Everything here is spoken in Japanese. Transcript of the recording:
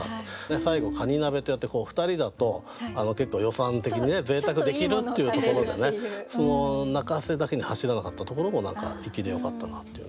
最後「カニ鍋」とやってふたりだと結構予算的にねぜいたくできるっていうところでね泣かせだけに走らなかったところも何か粋でよかったなっていうね。